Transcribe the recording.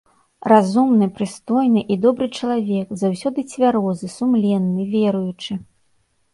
Разумны, прыстойны і добры чалавек, заўсёды цвярозы, сумленны, веруючы.